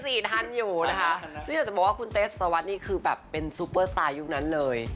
ทันอยู่นะคะซึ่งอยากจะบอกว่าคุณเตสสวัสดินี่คือแบบเป็นซุปเปอร์สไตล์ยุคนั้นเลย